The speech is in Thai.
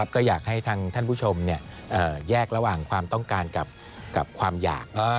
ก็อยากให้ทางท่านผู้ชมแยกระหว่างความต้องการกับความอยาก